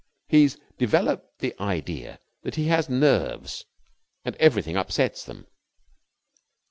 He's developed the idea that he has nerves and everything upsets them.